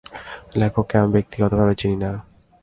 লেখককে আমি ব্যক্তিগতভাবে চিনি না।